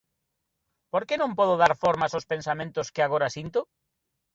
¿Por que non podo dar formas ós pensamentos que agora sinto?